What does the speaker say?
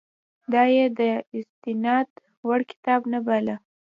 دا یې د استناد وړ کتاب نه باله.